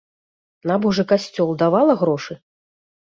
На божы касцёл давала грошы?